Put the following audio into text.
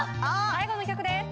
最後の曲です。